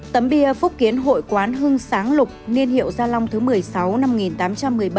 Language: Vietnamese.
tấm bia phúc kiến hội quán hưng sáng lục niên hiệu gia long thứ một mươi sáu năm một nghìn tám trăm một mươi bảy